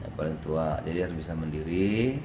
yang paling tua jadi harus bisa mendiri